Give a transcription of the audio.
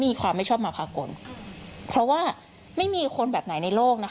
นี่ฉันพูดตรง